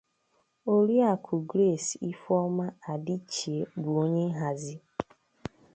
Oriakụ Grace Ifeọma Adịchie bụ onye nhàzi